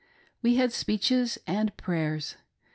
We had speeches and prayers.